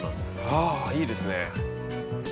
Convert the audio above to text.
ああいいですね。